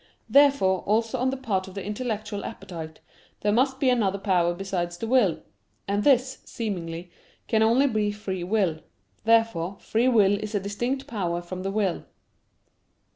Therefore, also on the part of the intellectual appetite, there must be another power besides the will. And this, seemingly, can only be free will. Therefore free will is a distinct power from the will.